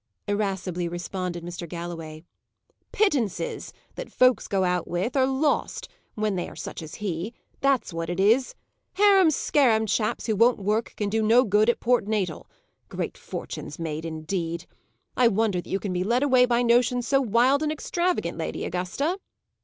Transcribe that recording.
irascibly responded Mr. Galloway. "Pittances, that folks go out with, are lost, when they are such as he. That's what it is. Harem scarem chaps, who won't work, can do no good at Port Natal. Great fortunes made, indeed! I wonder that you can be led away by notions so wild and extravagant, Lady Augusta!"